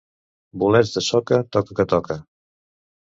Bolets de soca, toca que toca.